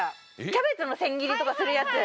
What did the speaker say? キャベツの千切りとかするやつ。